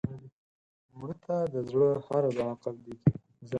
مړه ته د زړه هره دعا قبلیږي